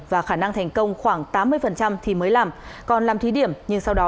và khả năng thành công khoảng tám mươi thì mới làm còn làm thí điểm nhưng sau đó